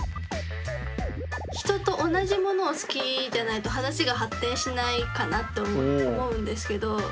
人と同じものを好きじゃないと話が発展しないかなって思うんですけど。